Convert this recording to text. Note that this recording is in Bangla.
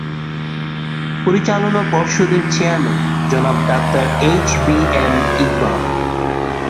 পরিচালনা পর্ষদের চেয়ারম্যান জনাব doctor H B M Iqbal.